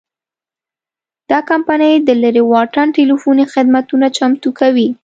دا کمپنۍ د لرې واټن ټیلیفوني خدمتونه چمتو کوي.